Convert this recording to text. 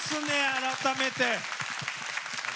改めて。